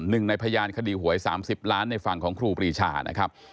หนึ่งในพยานคดีหวย๓๐ล้านในฝั่งของครูปรีชานะครับ